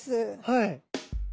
はい。